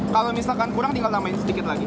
kalau misalkan kurang tinggal tambahin sedikit lagi